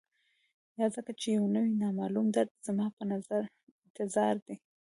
یا ځکه چي یو نوی، نامعلوم درد زما په انتظار دی